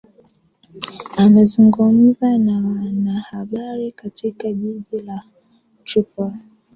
amezungumza na wanahabari katika jiji la tripoli